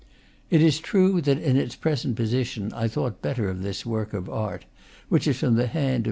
It is true that in its pre sent position I thought better of this work of art, which is from the hand of M.